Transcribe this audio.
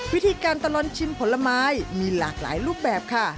วิธีการตลอดชิมผลไม้มีหลากหลายรูปแบบค่ะ